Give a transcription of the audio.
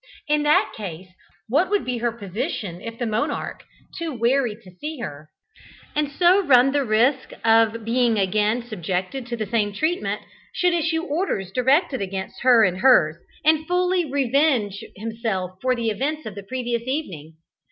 In that case, what would be her position if the monarch, too wary to see her, and so run the risk of being again subjected to the same treatment, should issue orders directed against her and hers, and fully revenge himself for the events of the previous evening?